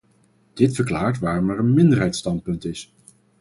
Dit verklaart waarom er een minderheidsstandpunt is.